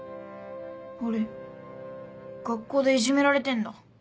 俺学校でいじめられてんだ。